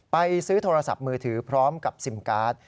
ไปซื้อโทรศัพท์มือถือพร้อมกับซิมการ์ด